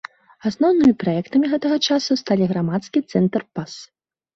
Асноўнымі праектамі гэтага часу сталі грамадскі цэнтр пас.